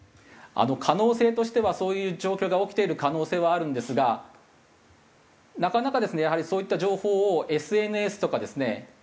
可能性としてはそういう状況が起きている可能性はあるんですがなかなかですねやはりそういった情報をＳＮＳとかですね